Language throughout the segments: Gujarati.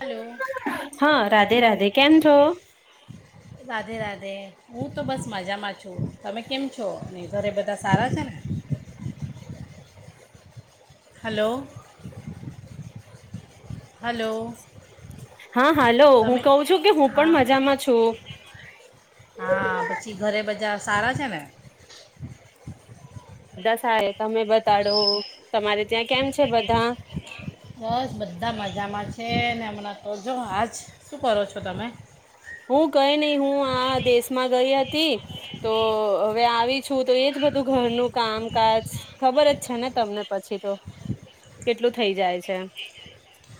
હલો હા, રાધે રાધે કેમ છો? રાધે રાધે. હું તો બસ મજામાં છું. તમે કેમ છો? ને ઘરે બધા સારા છે ને? હલો. હલો. હા હાલો હું તમે કું છું કે હું હા પણ મજામાં છું. હા પછી ઘરે બજાર સારા છે ને. બધા સાહે તમે બતાડો તમારે ત્યાં કેમ છે બધા? બસ બધા મજામાં છે ને હમણાં તોજો આાજ શું કરો છો તમે? હું કઈ નહી હું આ દેશમાં ગઈ હતી તો હવે આવી છું, તો એજ બધું ઘરનું કામકાજ ખબર જ છે ને તમને પછી તો કેટલું થઈ જાય છે.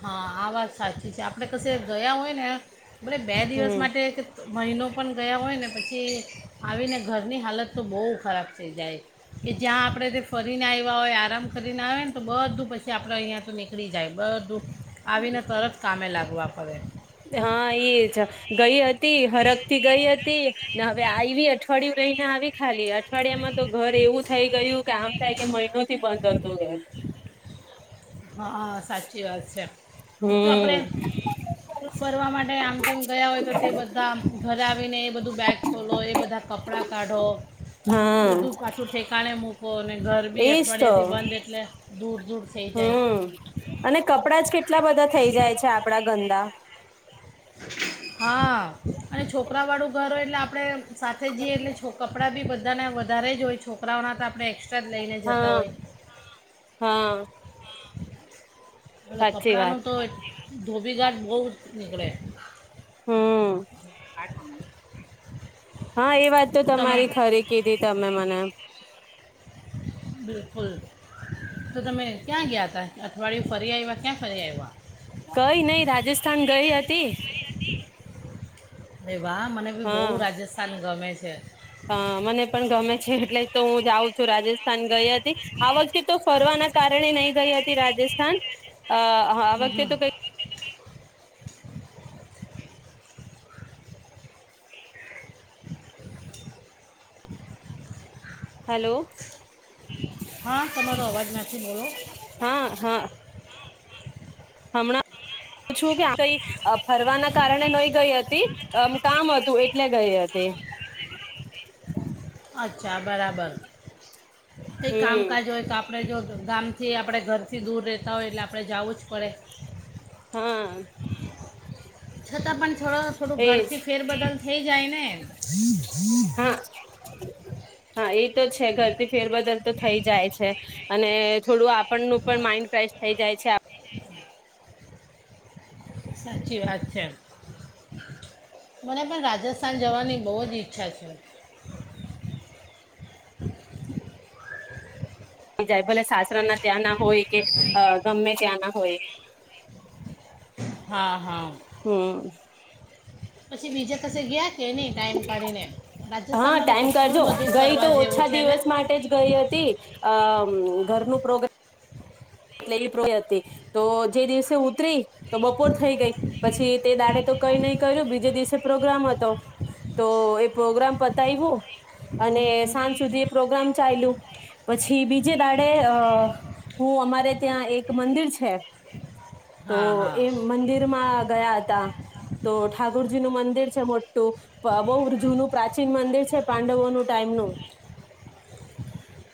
હા આ વાત સાચી છે આપડે કશે ગયા હોય ને. બે દિવસ હમ માટે કે મહિનો પણ ગયા હોય ને પછી આવીને ઘરની હાલત તો બહુ ખરાબ થઈ જાય કે જ્યાં આપણે તે ફરીને આવ્યા હોય આરામ કરીને આવે ને તો બધું પછી આપણે અહીંયા તો નીકળી જાય બધું. આવીને તરત કામે લાગવા. ભલે હા એ જ ગઈ હતી હરખ થી ગઈ હતી ને હવે આવી અઠવાડિયું જઈને આવી ખાલી અઠવાડિયામાં તો ઘર એવું થઈ ગયું કે આમ થાય કે મહિનો થી બંધ હ તો હા સાચી વાત છે. તો આપણે હમ ફરવા માટે આમ તેમ ગયા હોય તો તે બધા ઘરે આવીને એ બધું બેગ ખોલો એ બધા કપડાં કાઢો હા બધું પાછું ઠેકાણે મૂક તો અને ઘર બી એજ અઠવાડિયાથી તો બંધ એટલે ધૂળ ધૂળ થઈ જાય. હમ્મ અને કપડા જ કેટલા બધા થઇ જાય છે આપડા ગંદા. હા અને છોકરા વાળું ઘર હોય એટલે આપડે સાથે જઈએ એટલે છો કપડાં બી બધા બધા ને વધારે જ હોય છોકરાઓના તો આપણે એક્સ્ટા હા હા. એટલે સાચી કપડાં વાત ન તો ધોબીગાટ બહુ જ નીકળે. હમ હા એ વાત તો તમારી ખરી કીધી તમે મને. બિલકુલ તો તમે ક્યાં ગયા હતા અઠવાડિયું ફરી આવ્યા ક્યાં ફરી આવ્યા. ગઈ નઈ રાજસ્થાન ગઈ હતી વા મને બી બહુ હા રાજસ્થાન ગમે છે. છે. હા મને પણ ગમે છે એટલે જ તો હું જાઉં રાજસ્થાન ગઈ હતી આ વખતે તો ફરવાના કારણે નહી ગઈ હતી રાજસ્થાન અહ આ હમ વખતે હમ. તો કઈ હાલો. હા તમારો અવાજ નથી બોલો [inaudible] હા હમણા. છું ક્યાં ગઈ ફરવાના કારણે નઈ ગઈ હતી અમ કામ હતું એટલે ગઈ હતી. અચ્છા બરાબર એક હમ કામકાજ હોય તો આપણે જો. ગામથી આપ આપડે ઘરથી દૂર રહેતા હોય એટલે આપણે જાવું જ પડે. હમ્મ. છતાં પણ થોડુ થોડું ઘરથી ફેરબદલ થઈ જાય ને. હા હા એ તો છે ઘરથી ફેરબદલ તો થઈ જાય છે અને થોડું આપણનું પણ માઈન્ડ ફ્રેશ થઈ જાય છે સાચી વાત છે મને પણ રાજસ્થાન જવાની બહુ જ ઈચ્છા છે [inaudible] થઈ જાય ભલે સાસરાના ત્યાં ના હોય કે અહ ગમે ત્યાં ના હોય. હા હા. હમ્મ. પછી બીજા કસે ગયા કે નહીં ટાઈમ કાઢીને હા રાજસ્થાનમાં તો ટાઈમ કેટલું કાઢજો બધું ગઈ ફરવા તો જેવું ઓછા છે ને દિવસ માટે જ ગઈ હતી અમ ઘરનું પ્રોગ્રામ [unintelligible] તો ત્યાંથી ઉતરીને બપોર થઈ ગઈ, પછી તે દિવસે તો કંઈ ન કર્યું અને બીજા દિવસે પ્રોગ્રામ હતો તો એ પ્રોગ્રામ પતાય્યો. અને સાંજ સુધી પ્રોગ્રામ પછી બીજે દાડે અ હું અમારે ત્યાં એક મંદિર છે. તો હા એ હા મંદિરમાં ગયા હતા તો ઠાકોરજી નું મંદિર છે મોટ બહુ જૂનું પ્રાચીન મંદિર છે પાંડવો ન ટાઈમ ન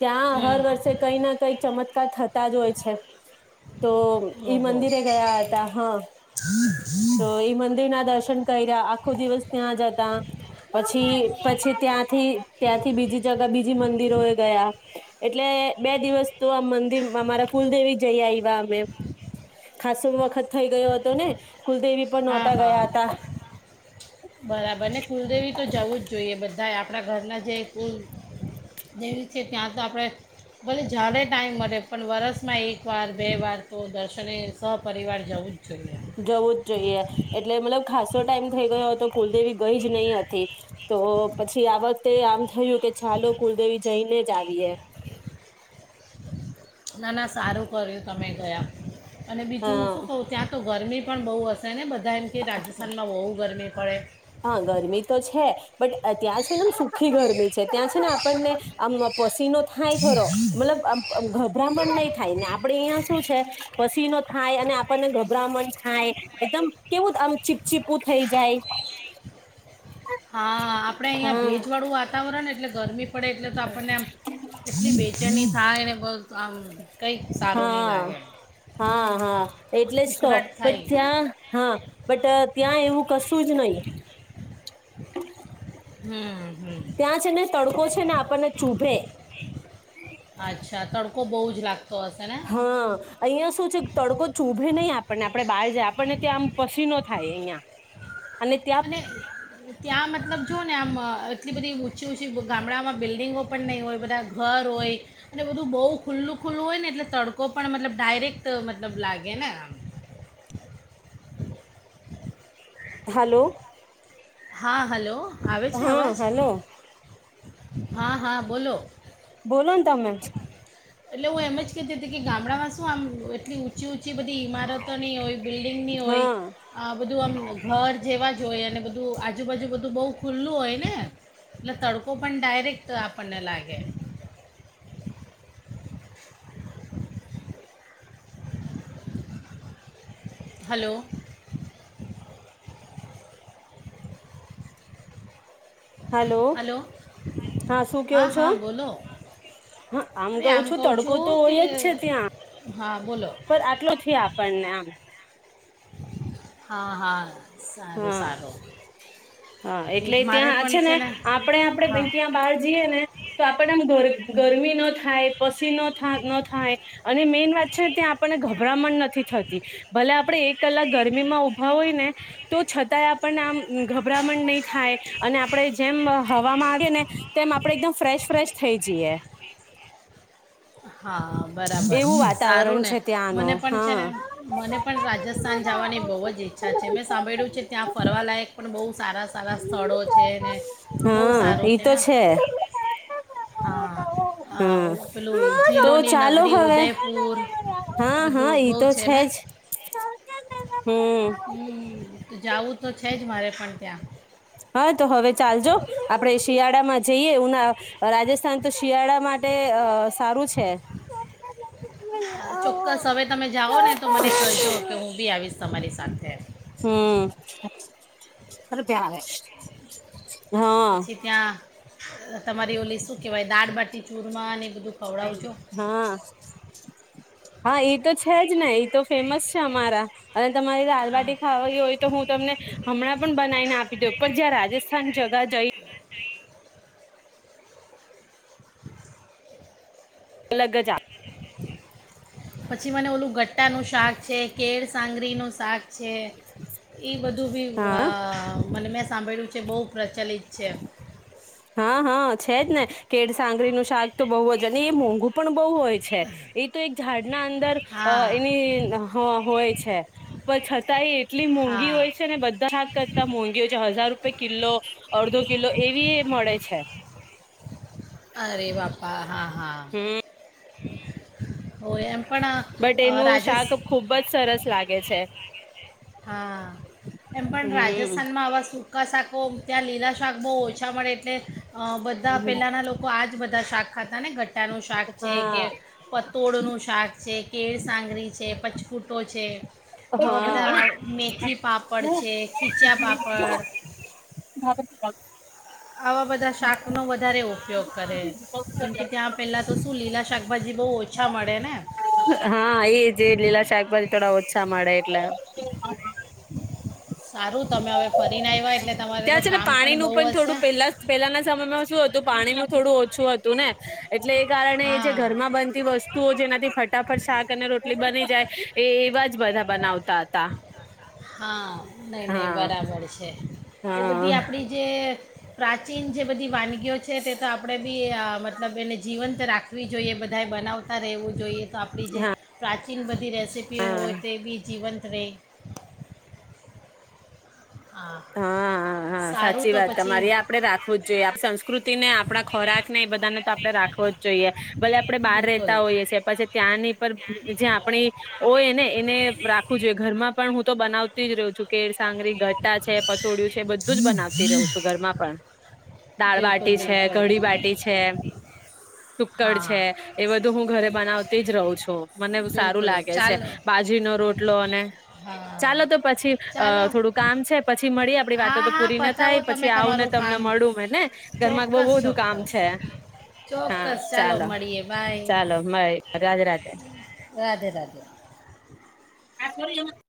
ત્યાં હમ હર વર્ષે કઈ ના કઈક ચમત્કાર ત થતા જ તો ઈ ઓહો મંદિરે ગયા હતા. હા. તો એ મંદિર ના દર્શન કરયા આખો દિવસ ત્યાં જતા પછી પછી ત્યાંથી ત્યાંથી બીજી જગા બીજી મંદિરો એ ગયા. એટલે બે દિવસ તો આ મંદિરમાં મારા કુલદેવી જઈ આવી તા અમે ખાસુવ વખત થઈ ગયો હતો ને કુલદેવી પર હા નહોતા હા ગયા હતા. બરાબર ને કુલદેવી તો જવું જ જોઈએ. બ બધાય આપણા ઘરના જે કુલ દેવી છે ત્યાં તો આપણે ભલે જાડે ટાઈમ મળે પણ વરસમાં એક વાર બે વાર તો દર્શને સહપિવાર જવુ જવું જ જોઈએ. એટલે મતલબ ખાસો ટાઈમ થઈ ગયો હતો કુલદેવી ગઈ જ નહી હતી. તો પછી આ વખતે આમ થયું કે છાલો કુલદેવી જઈને જ આવીએ. ના ના સારું કર્યું તમે ગયા. અને બીજું હું હા શું કવ ત્યાં તો ગરમી પણ બહુ હશે ને બ કારણ કે રાજસ્થાનમાં બહુ ગરમી પડે. હા ગરમી તો છે બટ ત્યાં છેને એમ સુખી ગરમી છે ત્યાં છે ને આપણને આમ પસીનો થ થાઈ ખરો મતલબ. ગભરામણ નહી થાય ને આપડે અહિયાં શું છે પસીનો થાય અને આપણને ગભરામણ હા એકદમ કેવું આ ચીપચીપું થઇ જાય. હા આપડે અહિયાં હા ભેજ વાળું વાતાવરણ એટલે ગરમી પડે એટલે તો આપણને આમ કેટલી બેચેની થાય. [inaudible] કંઈક સારું નહીં લાગે હા-હા-હા એટલે જ તો ઉકળાટ બટ થાય ત્યાં હા બટ ત્યાં એવું કશું જ નહીં. હમ્મ-હમ્મ ત્યાં છે ને તડકો છે ને આપણને ચૂભે અચ્છા તડકો બહું જ લાગ હા અહિંયાં શું છે તડકો ચૂભે નહીં આપ પણને આપણે બહાર આપણને ત્યાં આમ પસીનો જ થાય અહીંયા. અને ત્યાં મતલબ જોઓ ને આમ એટલી બધી ઊંચી ઊંચી ગામડામાં બિલ્ડિંગો પણ નહીં હોય, બધા ઘર હોય અને બધું બહુ ખુલ્લું ખુલ્લું હોય ને એટલે તડકો પણ મતલબ ડાયરેક્ટ મતલબ લાગે ને આ. હાલો. હા હલો. આવે છે હા અવાજ? હાલો હા-હા બોલો. બોલો ને તમે જ. એટલે હું એમ જ કેતી તી કે ગામડામાં શું આમ એટલી ઊંચીં ચી બધી ઈમારતોને હોય, બિલ્ડિંગને હોય હા આ બધું આમ ઘર જેવા જ જોએ ને બધ ધું આજુબાજુ બધું બહુ ખુલ્લું હોય ને એટલે તડકો પણ ડાયરેક્ટ આપણને લાગે. હલો. હલો હા શું ક્યો છો, હા બોલો હા આમ અરે કઉં છું કહું તડકો તો કે હોય જ છે ત્યાં, હા બોલો પણ આટલો થયા આપણને એમ. હા-હા. હા-હા એ એટલે જ મારે ત્યાં પણ છે ને આપણે આપણે હા ભાઈ ત્યાં બહાર જઈએ ને તો આપણેને આમ ગરમી ન થાય, પસીનો થા ન થાય અને મેન વાત છે ને ત્યાં આપણને ગભરામણ નથી થતી, ભલે આપણે એક કલાક ગરમીમાં ઊભા હોય ને તો છતાંય આપણને આમ ગભરામણ નહી થાય અને આપણે જેમ હવામાં આવેે ને તેમ આપણે એકદમ ફ્રેશ ફ્રેશ થઈ જઈએ. હા. બરાબર એવું છે સારું વાતાવરણ ને છે મને ત્યાંનું પણ છે ને હા મને પણ રાજસ્થાન જવાની બહુ જ ઈચ્છા છે, મેં સાંભળ્યું છે ત્યાં ફરવાલાયક પણ બહુ સારા સારા સ્થળો છે ને, બહુ હા સારું ઈ છે ને તો આમ હા અહ હમ પેલું તો જિલોની ચાલો નગરી હવે ઉદયપુર હા-હા બધું ઈ બહુ તો છે ને જ. હમ્મ. હમ, જાવું તો છે જ મારે પણ ત્યાં. હા તો હવે ચાલજો, આપણે શિયાળામાં જઈએ ઉના રાજસ્થાન તો શિયાળા માટે અહ સારું છે. ચોક્કસ હવે તમે જાઓ ને તો મને કહેજો કે હું બી આવીશ તમારી સાથે. હમ [unintelligible] હા પછી ત્યાં તમારી ઓલી શું કેવાય દાળબાટી ચૂરમાં અને હા. હા એ તો છે જ ને એ તો ફેમસ છે અમારા અને તમારે હા. દાલબાટી ખાવા હોય તો હું તમને હમણાં પણ બનાવીને આપી દઉં પણ જ્યાં રાજસ્થાન જગા જઈ અલગ જા પછી મને ઓલું ગટ્ટાનું શાક છે કેળ સાંગરી નું શાક છે એ બધું બી અ હા મને મે સાંભળ્યું છે બહુ પ્રચલિત છે હા હા છે જ ને કે સાંગરીનું શાક તો બહુ જ અને એ મોંઘુ પણ બહુ હોય છે એ તો એક ઝાડના અંદર હા એની હોય. છે પણ છતાંય એટલી મોંઘી હોય હા છે ને બધાા કરતાં મોંઘી હોય છે હજાર રૂ રૂપે કિલો અડધો કિલો એવી મળે છે. અરે પાપા હા હા. હમ [inaudible] પણ બટ અ, એનું રાજસ શાક ખુબ જ સરસ લાગે છે. હા એમ પણ હમ રાજસ્થાનમાં આવા સુ કસાકો ત્યાં લીલા શાક બહુ ઓછા મળે એટલે બધા પહેલાંના લોકો આ જ બધા દશાખાત બધાને ગટ્ટાનું શાક છે કે હા પતોળનું શાક છે કેળ સાંગરી છે પ ફૂટો છે. હા. મેથીથી પાાપડ છે ખીચા પાપડ અ આવા બધા શાકનો વધારે ઉપયોગ કરે કેમ કે ત્યાં પહેલાં તો શું લીલા શાકભાજી બહુ ઓછા મળે ને હા એ જે લીલા શાકભાજી થોડા ઓછા મળે એટલે હમ. સારું તમે હવે ફરીને આવ્યા એટલે તમારે તો ત્યાં છે ને કામ પાણી નું બહુ પણ હશે થોડું પેલા પહેલાના સમયમાં શું હતું પાણીમાં થોડું ઓછું હતું ને. એટલે એ કારણે એ જે હા ઘરમાં બનતી વસ્તુ વસ્તુઓ જેનાથી ફટાફટ શાક અને રોટલી બની જાય એ એવા જ બધા બનાવતા હતા. હા ન ન હા બરાબર છે. એ બધી હા આપડી જે કે પ્રાચીન જે બધી વાનગીઓ છે તે તો આપણે બી મતલબ એને જીવંત રાખવી જોઈએ બધાએ બનાવતા રહેવું જોઈએ. આપડી છે હા પ્રાચી [unintelligible] રસીપી હા હોય તે બી જીવંત રેય. હા હા હા, સારું સાચી તો વાત, પછી તમારે આપડે રાખવું જ જોઈએ આપ સંસ્કૃતિ ને આપણા ખોરાક ને એ બધાને તો આપણે રાખવો જ જોઈએ ભલે આપડે બાર બિલકુલ રેતા હોઈએ શે પછી ત્યાંની પર જે આપણી હોય ને એને રાખું જોઈએ ઘરમાં પણ હું તો બનાવતી જ રહું છું કેળ સાંગરી ગ [unintelligible] છે પથોળિયુ છે બધું જ બનાવતી રહું છું ઘરમાં પણ. દાળ બિલકુલ બાટી છે, બિલકુલ કઢી બાટી છે, ટુક્કડ છે હા એ બધું હું ઘરે બનાવતી જ રહું છું. મને સારું બિલકુલ લાગે છે ચાલો બાજીનો રોટલો અને હા ચાલો તો પછી ચાલો થોડું કામ છે પછી મળી આપડી વાતો હા તો હા પૂરી ના થાય પતાવો તમે પછી આવું ને તમારું તમને કામ મળું ઘરમાં બવ ચોક્કસ બધું કામ ચોક્કસ છે, હા ચોક્કસ ચાલો મળીએ બાય ચાલો મળી રાધે રાધે. રાધે રાધે [inaudible]